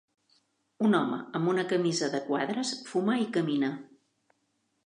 Un home amb una camisa de quadres fuma i camina.